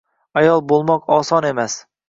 Ayol boʻlmoq oson emas.